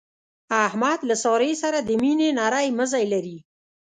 احمد له سارې سره د مینې نری مزی لري.